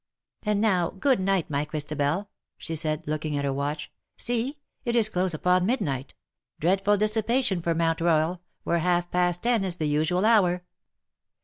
And now, good night, my ChristabeV'' she said, looking at her watch ;" see ! it is close upon midnight — dread ful dissipation for Mount Royal, where half past ten is the usual hour."